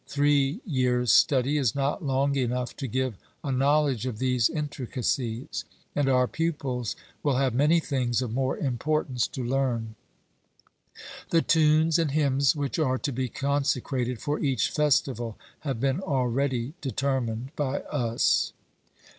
Three years' study is not long enough to give a knowledge of these intricacies; and our pupils will have many things of more importance to learn. The tunes and hymns which are to be consecrated for each festival have been already determined by us.